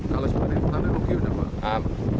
kalau sepanjang petani rugi udah apa